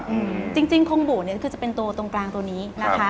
อืมจริงจริงคมบู่เนี้ยคือจะเป็นตัวตรงกลางตัวนี้นะคะ